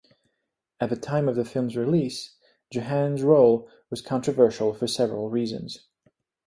At the time of the film's release, Jahan's role was controversial for several reasons.